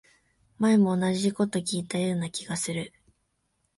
前も同じこと聞いたような気がする